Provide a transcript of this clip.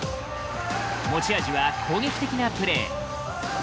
持ち味は、攻撃的なプレー。